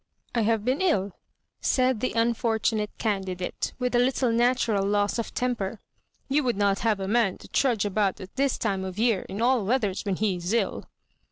" I have been ill," said the unfortunate candi date, with a little natural loss of temper. You would not have a man to trudge about at this time of year in all weathers when he is ill."